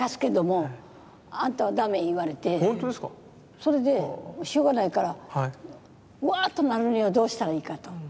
それでしょうがないからわっとなるにはどうしたらいいかと。